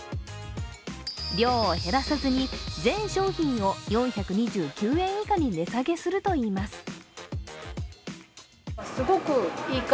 量を減らさずに全商品を４２９円以下に値下げするといいます